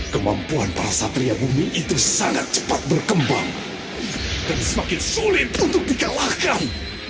kemampuan para satria bumi itu sangat cepat berkembang dan semakin sulit untuk dikalahkan